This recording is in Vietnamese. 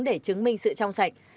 để chứng minh sự trong sạch